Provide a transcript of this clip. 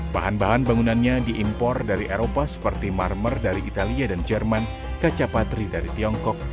bahan bahan bangunannya diimpor dari eropa seperti marmer dari italia dan jerman kaca patri dari tiongkok